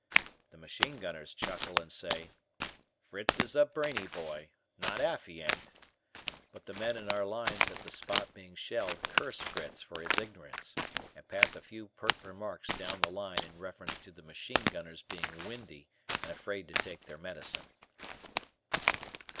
The machine gunners chuckle and say, "Fritz is a brainy boy, not 'alf he ain't." But the men in our lines at the spot being shelled curse Fritz for his ignorance and pass a few pert remarks down the line in reference to the machine gunners being "windy" and afraid to take their medicine.